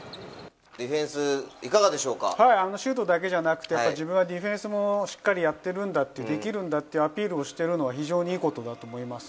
ディフェンス、いかがでしょシュートだけじゃなくて、自分はディフェンスもしっかりやってるんだって、できるんだっていうアピールをしてるのは非常にいいことだと思います。